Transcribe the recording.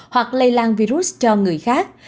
hoặc lây lan virus cho người khác